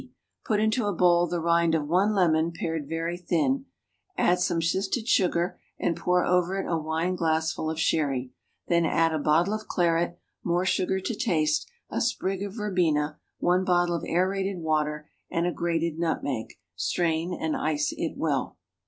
_ Put into a bowl the rind of one lemon pared very thin, add some sifted sugar, and pour over it a wine glassful of sherry; then add a bottle of claret, more sugar to taste, a sprig of verbena, one bottle of aerated water, and a grated nutmeg; strain and ice it well.